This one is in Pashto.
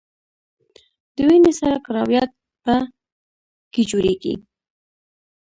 د وینې سره کرویات په ... کې جوړیږي.